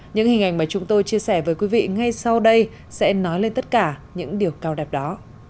những hình ảnh mà chúng tôi chia sẻ với quý vị ngay sau đây sẽ nói lên tất cả những điều cao đẹp đó